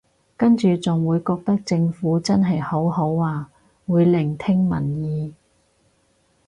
跟住仲會覺得政府真係好好啊會聆聽民意